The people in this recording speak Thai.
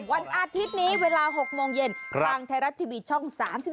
วันอาทิตย์นี้เวลา๑๘นทางไทยรัฐทีมีท่อง๓๒